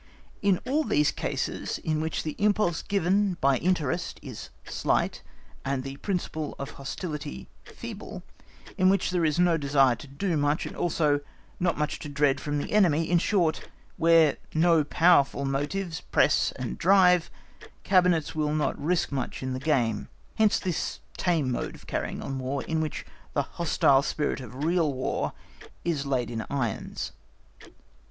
In all these cases in which the impulse given by interest is slight, and the principle of hostility feeble, in which there is no desire to do much, and also not much to dread from the enemy; in short, where no powerful motives press and drive, cabinets will not risk much in the game; hence this tame mode of carrying on War, in which the hostile spirit of real War is laid in irons.